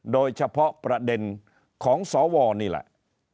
โดยเฉพาะประเด็นของสวนี่แหละ